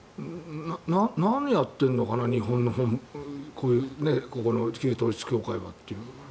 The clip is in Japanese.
何をやってるのかな日本のこういう、ここの旧統一教会はという。